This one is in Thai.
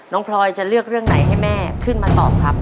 พลอยจะเลือกเรื่องไหนให้แม่ขึ้นมาตอบครับ